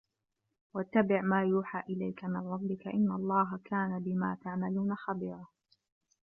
وَاتَّبِع ما يوحى إِلَيكَ مِن رَبِّكَ إِنَّ اللَّهَ كانَ بِما تَعمَلونَ خَبيرًا